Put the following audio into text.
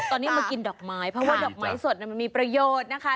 ตอนนี้มากินดอกไม้เพราะว่าดอกไม้สดมันมีประโยชน์นะคะ